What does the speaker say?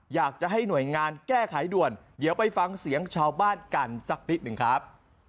อยากจะให้หน่วยงานแก้ไขด่วนเดี๋ยวไปฟังเสียงชาวบ้านกันสักนิดหนึ่งครับ